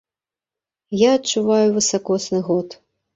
Я адчуваю высакосны год.